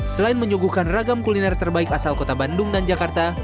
selain menyuguhkan ragam kuliner terbaik asal kota bandung dan jakarta